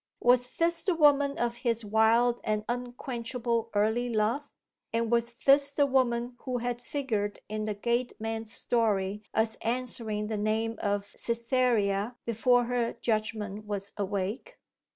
Was this the woman of his wild and unquenchable early love? And was this the woman who had figured in the gate man's story as answering the name of Cytherea before her judgment was awake?